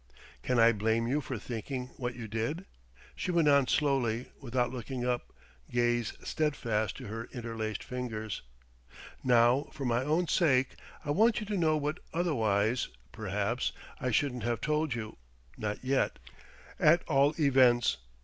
"Can I blame you for thinking what you did?" She went on slowly, without looking up gaze steadfast to her interlaced fingers: "Now for my own sake I want you to know what otherwise, perhaps, I shouldn't have told you not yet, at all events.